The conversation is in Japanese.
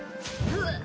うわっ！